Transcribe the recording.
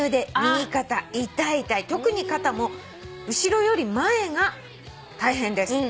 「特に肩も後ろより前が大変です」